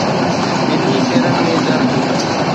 ٻنهي پيرن ۾ درد